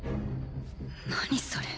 何それ。